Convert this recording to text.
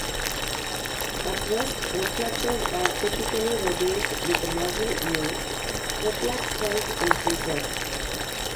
At rest, reflexes are typically reduced; with muscle use, reflex strength increases.